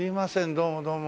どうもどうも。